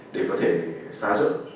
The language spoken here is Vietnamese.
để có thể phá rỡ